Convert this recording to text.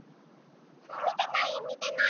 みてないみてない。